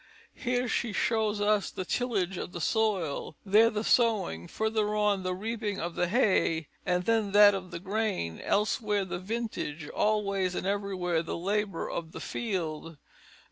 Here she shows us the tillage of the soil; there, the sowing; further on, the reaping of the hay, and then that of the grain; elsewhere the vintage; always and everywhere, the labour of the field.